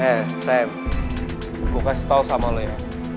eh sam gue kasih tau sama lo ya